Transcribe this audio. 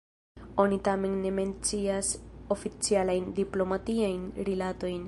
Oni tamen ne mencias oficialajn diplomatiajn rilatojn.